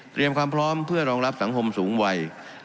ความพร้อมเพื่อรองรับสังคมสูงวัย